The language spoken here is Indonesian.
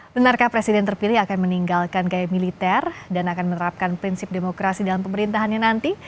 benarkah presiden terpilih akan meninggalkan gaya militer dan akan menerapkan prinsip demokrasi dalam pemerintahannya nanti